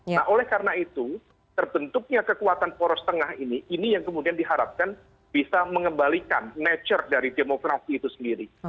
nah oleh karena itu terbentuknya kekuatan poros tengah ini ini yang kemudian diharapkan bisa mengembalikan nature dari demokrasi itu sendiri